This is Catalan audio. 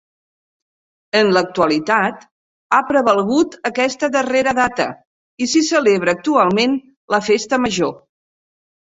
En l'actualitat ha prevalgut aquesta darrera data, i s'hi celebra actualment la Festa Major.